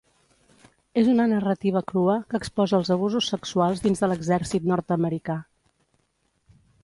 És una narrativa crua que exposa els abusos sexuals dins de l'Exèrcit nord-americà.